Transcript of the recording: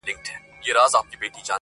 په دغه خپل وطن كي خپل ورورك~